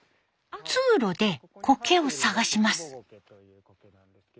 通路でコケを探します。